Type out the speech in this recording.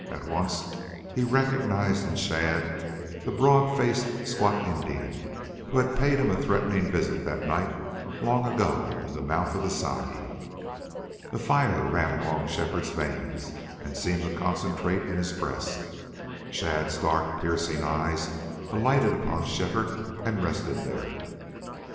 At once he recognized in Shadd the broad faced squat Indian who had paid him a threatening visit that night long ago in the mouth of the Sagi. A fire ran along Shefford's veins and seemed to concentrate in his breast. Shadd's dark, piercing eyes alighted upon Shefford and rested there.